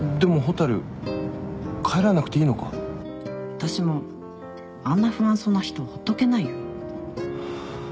私もあんな不安そうな人ほっとけないよ。